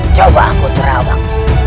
coba aku terawak